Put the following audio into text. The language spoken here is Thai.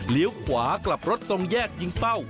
ขวากลับรถตรงแยกยิงเป้า